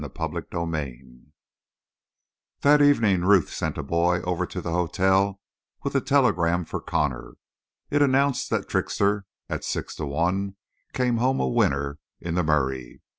CHAPTER SEVEN That evening Ruth sent a boy over to the hotel with a telegram for Connor. It announced that Trickster, at six to one, came home a winner in the Murray.